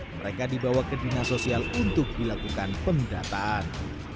mereka dibawa ke dina sosial untuk dilakukan pemidataan